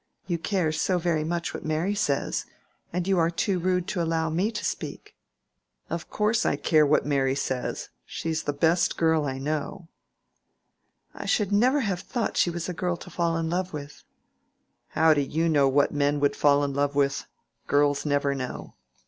You care so very much what Mary says, and you are too rude to allow me to speak." "Of course I care what Mary says. She is the best girl I know." "I should never have thought she was a girl to fall in love with." "How do you know what men would fall in love with? Girls never know."